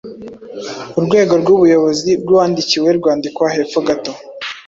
Urwego rw’ubuyobozi rw’uwandikiwe rwandikwa hepfo gato